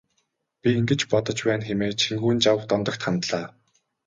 Би ингэж бодож байна хэмээн Чингүнжав Дондогт хандлаа.